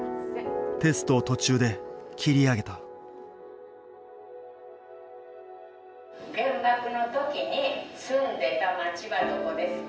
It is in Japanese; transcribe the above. テストを途中で切り上げた「原爆の時に住んでた町はどこですか？」。